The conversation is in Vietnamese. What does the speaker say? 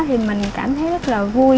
thì mình cảm thấy rất là vui